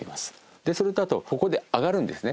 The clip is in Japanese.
でそれとあとここで上がるんですね。